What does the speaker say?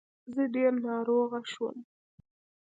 زه ډير ناروغه شوم